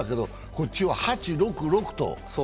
こっちは８、６、６と。